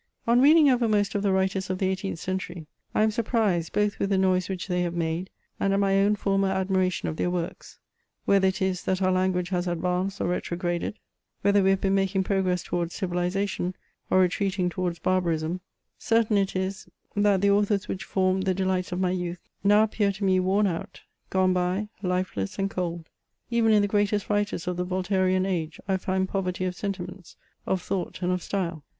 On reading over most of the writers of the 18th century, I am surprised, both with the noise which they have made, and at my own former admiration of their works ; whether it is, that our language has advanced or retrograded, whether jfe have been making progress towards civilization, or retreating towards barbarism, certain it is, that the authors which formed the delights of my youth now appear to me worn out — gone by, lifeless and cold. Even in the greatest writers of the Voltairian age, I find poverty of sentiments, of thought, and of stvle.